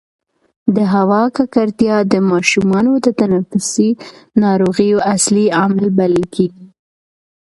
د هوا ککړتیا د ماشومانو د تنفسي ناروغیو اصلي عامل بلل کېږي.